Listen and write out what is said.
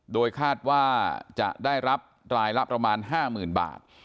โดยคาดว่าจะได้รับรายละประมาณ๕๐๐๐บาท